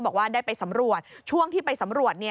บอกว่าได้ไปสำรวจช่วงที่ไปสำรวจ